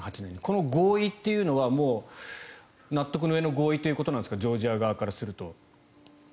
この合意というのはもう納得のうえの合意ということなんですかジョージア側からすると。